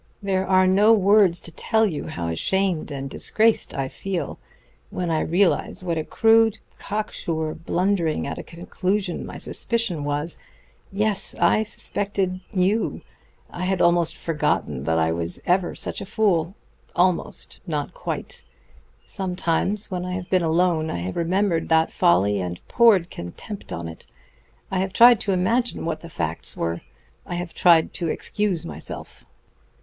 There are no words to tell you how ashamed and disgraced I feel when I realize what a crude, cock sure blundering at a conclusion my suspicion was. Yes, I suspected you! I had almost forgotten that I was ever such a fool. Almost; not quite. Sometimes when I have been alone I have remembered that folly, and poured contempt on it. I have tried to imagine what the facts were. I have tried to excuse myself."